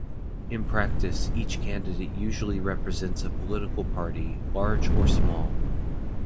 In practice, each candidate usually represents a political party, large or small.